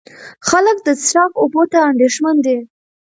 خلک د څښاک اوبو ته اندېښمن دي.